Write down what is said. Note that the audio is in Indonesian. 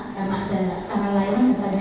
karena ada acara lain misalnya